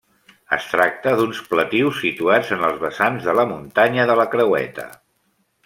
Es tracta d'uns pletius situats en els vessants de la muntanya de la Creueta.